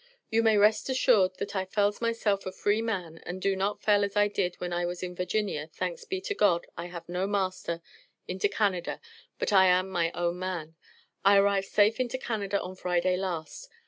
You may rest assured that I fells myself a free man and do not fell as I did when I was in Virginia thanks be to God I have no master into Canada but I am my own man. I arrived safe into Canada on friday last.